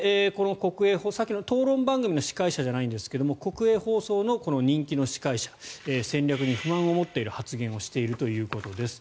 さっきの討論番組の司会者じゃないんですが国営放送の人気の司会者戦略に不満を持っている発言をしているということです。